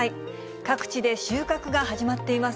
各地で収穫が始まっています。